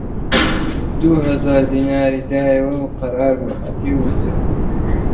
دوو هەزار دیناری دایە و قەرار بوو هەتیو بچێ